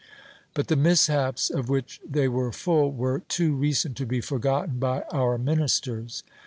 but the mishaps of which they were full were too recent to be forgotten by our ministers.